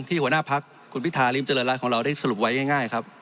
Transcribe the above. หัวหน้าพักคุณพิธาริมเจริญรัฐของเราได้สรุปไว้ง่ายครับ